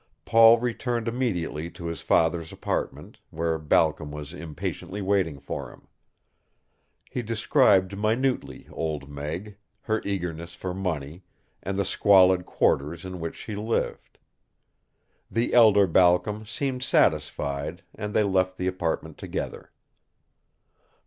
Paul returned immediately to his father's apartment, where Balcom was impatiently waiting for him. He described minutely Old Meg, her eagerness for money, and the squalid quarters in which she lived. The elder Balcom seemed satisfied and they left the apartment together.